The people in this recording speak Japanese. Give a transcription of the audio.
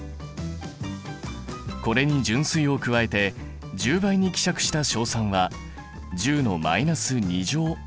これに純水を加えて１０倍に希釈した硝酸は１０ｍｏｌ／Ｌ。